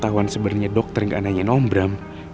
tentang pengetahuan sebenernya dokter gak nanyain om bram